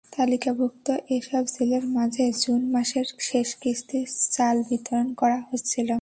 তালিকাভুক্ত এসব জেলের মাঝে জুন মাসের শেষ কিস্তির চাল বিতরণ করা হচ্ছিল।